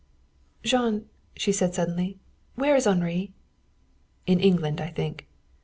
"Jean," she said suddenly, "where is Henri?" "In England, I think."